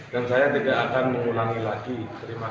dan saya tidak akan mengulangi lagi terima kasih